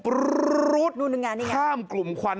ปรูดข้ามกลุ่มควัน